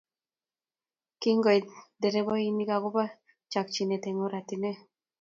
koking'at dereboik akobo chakchinet eng ortinwek